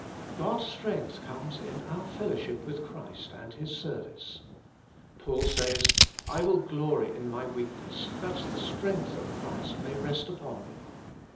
God's strength conies in our fellowship zvith Christ and His service. — Paul says :' 1 will glory in my weakness, that the strength of Christ may rest upon me.'